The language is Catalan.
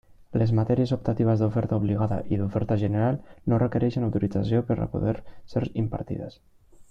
Les matèries optatives d'oferta obligada i d'oferta general no requerixen autorització per a poder ser impartides.